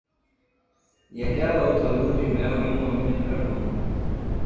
E aquela outra lua de mel em uma mina de carvão!